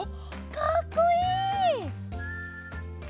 かっこいい！